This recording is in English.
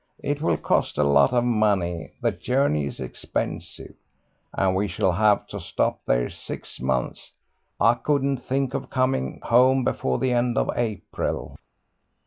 It will cost a lot of money; the journey is expensive, and we shall have to stop there six months. I couldn't think of coming home before the end of April."